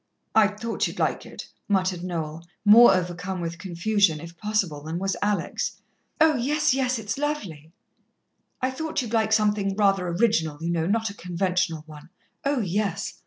"I thought you'd like it," muttered Noel, more overcome with confusion, if possible, than was Alex. "Oh, yes, yes. It's lovely." "I thought you'd like something rather original, you know, not a conventional one." "Oh, yes!"